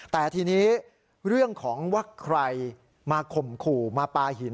แต่ทีนี้เรื่องของว่าใครมาข่มขู่มาปลาหิน